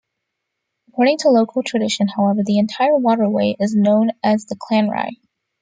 According to local tradition, however, the entire waterway is known as the Clanrye.